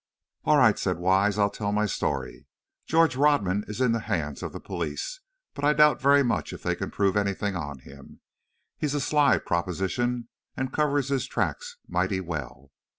"All right," said Wise, "I'll tell my story. George Rodman is in the hands of the police, but I doubt very much if they can prove anything on him. He's a sly proposition, and covers his tracks mighty well.